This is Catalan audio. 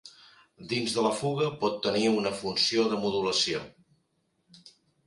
Dins de la fuga pot tenir una funció de modulació.